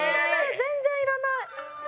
全然いらない。